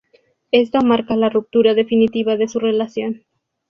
Esto marca la ruptura definitiva de su relación.